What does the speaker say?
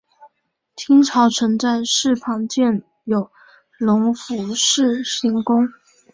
清朝曾在寺旁建有隆福寺行宫。